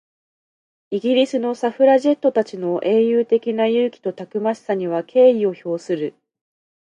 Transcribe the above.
イギリスのサフラジェットたちの英雄的な勇気とたくましさには敬意を表する。